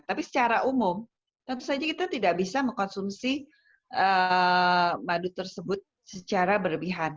tapi secara umum tentu saja kita tidak bisa mengkonsumsi madu tersebut secara berlebihan